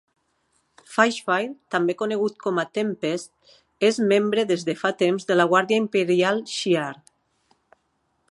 Flashfire, també conegut com a Tempest, és membre des de fa temps de la Guàrdia Imperial Shi'ar.